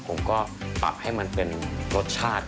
ผมก็ปรับให้มันเป็นรสชาติ